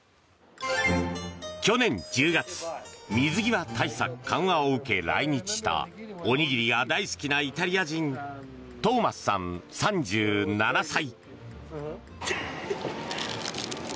去年１０月水際対策緩和を受け来日したおにぎりが大好きなイタリア人トーマスさん、３７歳。